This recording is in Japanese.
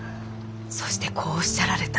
そしてこうおっしゃられた。